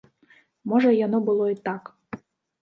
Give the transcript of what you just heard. Можа яно было і так.